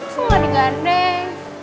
kok gak digading